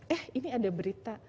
eh ini ada berita